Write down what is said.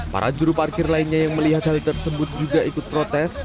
para juru parkir lainnya yang melihat hal tersebut juga ikut protes